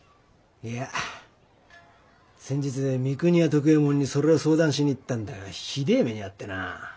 いや先日三国屋徳右衛門にそれを相談しにいったんだがひでえ目に遭ってな。